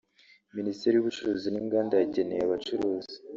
Minisiteri y’ubucuruzi n’inganda yageneye abacuruzi